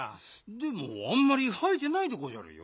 でもあんまりはえてないでごじゃるよ。